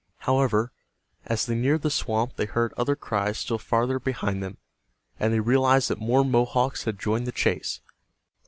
However, as they neared the swamp they heard other cries still farther behind them, and they realized that more Mohawks had joined the chase.